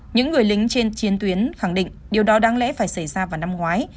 những người lính trên chiến tuyến khẳng định điều đó đáng lẽ phải xảy ra vào năm ngoái